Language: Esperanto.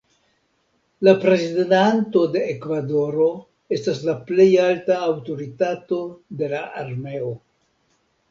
La prezidanto de Ekvadoro estas la plej alta aŭtoritato de la armeo.